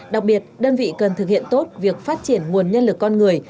đặc biệt đơn vị cần thực hiện tốt việc phát triển nguồn nhân lực con người